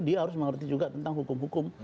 dia harus mengerti juga tentang hukum hukum